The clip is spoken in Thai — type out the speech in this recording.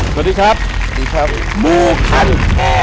สวัสดีครับสวัสดีครับมูคันแอร์